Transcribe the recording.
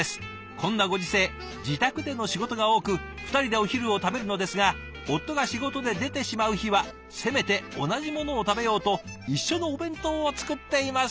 こんなご時世自宅での仕事が多く２人でお昼を食べるのですが夫が仕事で出てしまう日はせめて同じものを食べようと一緒のお弁当を作っています」。